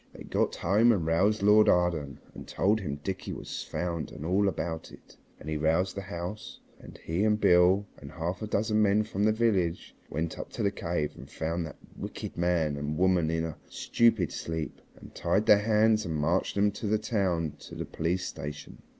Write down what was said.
They got home and roused Lord Arden, and told him Dickie was found and all about it, and he roused the house, and he and Beale and half a dozen men from the village went up to the cave and found that wicked man and woman in a stupid sleep, and tied their hands and marched them to the town and to the police station.